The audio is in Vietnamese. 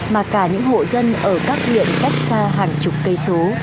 mà cả những hộ dân ở các huyện cách xa hàng chục cây số